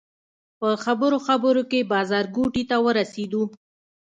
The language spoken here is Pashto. په خبرو خبرو کې بازارګوټي ته ورسېدو.